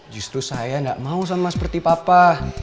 justru saya nggak mau sama seperti papa